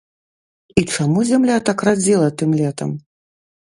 І чаму зямля так радзіла тым летам?